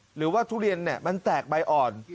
หรือว่าทุเรียนมันแตกใบอ่อน